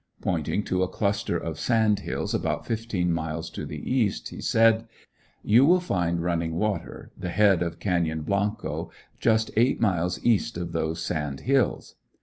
Pointing to a cluster of sand hills about fifteen miles to the east, he said: "You will find Running Water, the head of Canyon Blanco, just eight miles east of those sand hills."